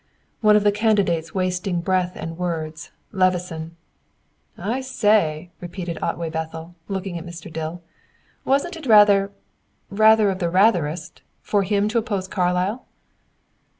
"One of the candidates wasting breath and words Levison." "I say," repeated Otway Bethel, looking at Mr. Dill, "wasn't it rather rather of the ratherest, for him to oppose Carlyle?"